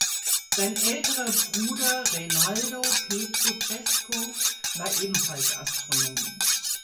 Sein älterer Bruder Reynaldo Pedro Cesco war ebenfalls Astronom.